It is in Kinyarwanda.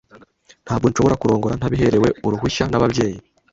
Ntabwo nshobora kurongora ntabiherewe uruhushya n'ababyeyi.